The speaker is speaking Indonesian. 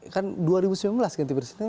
kan dua ribu sembilan belas ganti presiden